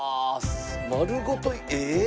丸ごとええっ？